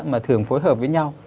mà thường phối hợp với nhau